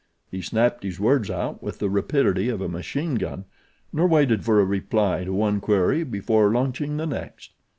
He snapped his words out with the rapidity of a machine gun, nor waited for a reply to one query before launching the next.